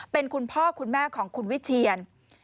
เป็นคุณพ่อคุณแม่ของคุณวิเชียน